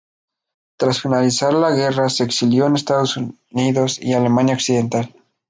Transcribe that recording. Tras finalizar la guerra se exilió en Estados Unidos y Alemania Occidental.